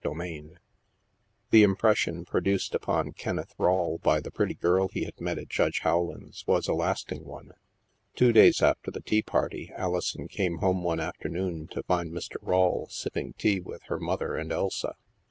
CHAPTER V The impression produced upon Kenneth Rawle by the pretty girl he had met at Judge Rowland's was a lasting one. Two days after the tea party, Alison came home one afternoon to find Mr. Rawle sipping tea with her mother and Elsa.